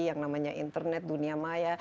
yang namanya internet dunia maya